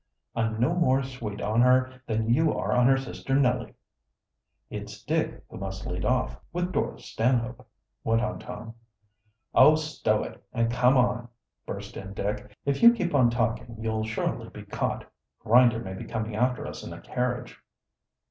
"I'm no more sweet on her than you are on her sister Nellie." "It's Dick who must lead off, with Dora Stanhope " went on Tom. "Oh, stow it, and come on!" burst in Dick. "If you keep on talking you'll surely be caught. Grinder may be coming after us in a carriage."